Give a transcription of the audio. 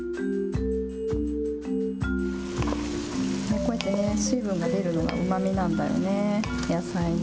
こうやって水分が出るのがうまみなんだよね、野菜の。